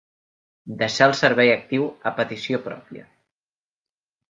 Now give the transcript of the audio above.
Deixà el servei actiu a petició pròpia.